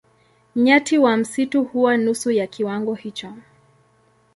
Nyati wa msitu huwa nusu ya kiwango hicho.